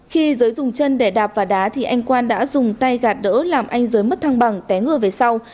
khi giới dùng chân để đạp vào đá thì anh quan đã dùng tay gạt đỡ làm anh giới mất thăng bằng té ngừa về sau